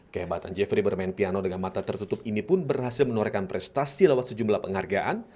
kehebatan jeffrey bermain piano dengan mata tertutup ini pun berhasil menorekan prestasi lewat sejumlah penghargaan